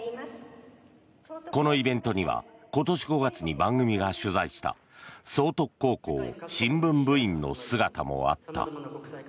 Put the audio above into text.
このイベントには今年５月に番組が取材した崇徳高校新聞部員の姿もあった。